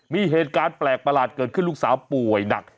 มีเหตุการณ์แปลกประหลาดเกิดขึ้นลูกสาวป่วยหนัก